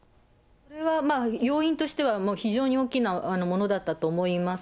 それはまあ、要因としては非常に大きなものだったと思います。